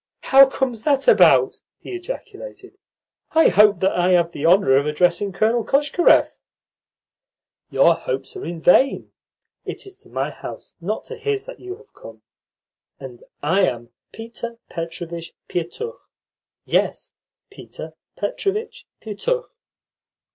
"How comes that about?" he ejaculated. "I hope that I have the honour of addressing Colonel Koshkarev?" "Your hopes are vain. It is to my house, not to his, that you have come; and I am Peter Petrovitch Pietukh yes, Peter Petrovitch Pietukh."